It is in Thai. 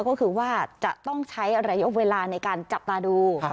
ก็คือว่าจะต้องใช้ระยะเวลาในการจับตาดู